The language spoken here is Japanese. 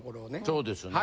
そうですね。